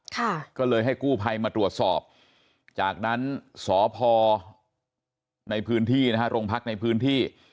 ค่ะก็เลยให้กู้ภัยมาตรวจสอบจากนั้นสพในพื้นที่นะฮะโรงพักในพื้นที่